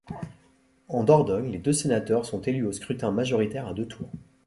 En Dordogne, les deux sénateurs sont élus au scrutin majoritaire à deux tours.